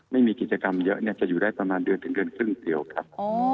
ไม่มีกิจกรรมเยอะจะอยู่ได้ประมาณเดือนถึงเดือนครึ่งเดียวครับ